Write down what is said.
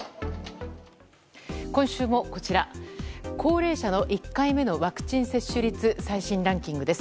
今週も、高齢者の１回目のワクチン接種率最新ランキングです。